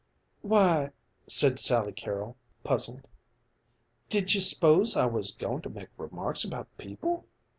"Why," said Sally Carol, puzzled, "did you s'pose I was goin' to make remarks about people?"